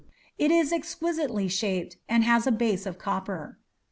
It is exquisitely shaped, and has a base of copper.